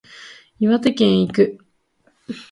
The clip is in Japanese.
岩手県へ行く